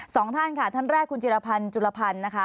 สองท่านค่ะท่านแรกคุณจิรพันธ์จุลพันธ์นะคะ